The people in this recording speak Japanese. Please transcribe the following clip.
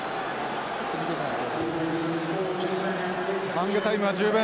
ハングタイムは十分。